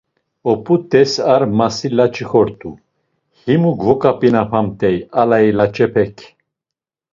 Oput̆es ar masli laç̌i kort̆u; himu gvoǩap̌inamt̆ey alayi laç̌epek.